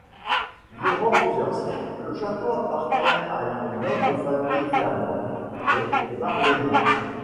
Durant plusieurs siècles, le château appartient à une noble famille flamande, les Berlaymont.